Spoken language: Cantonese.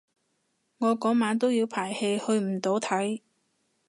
我嗰晚都要排戲去唔到睇